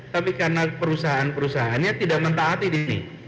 tapi karena perusahaan perusahaannya tidak mentaati di sini